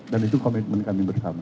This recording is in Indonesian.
dan itu komitmen kami bersama